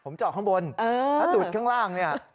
ผมเจาะข้างบนถ้าดูดข้างล่างเนี่ย